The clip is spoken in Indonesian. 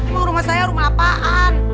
oh rumah saya rumah apaan